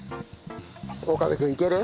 岡部君いける？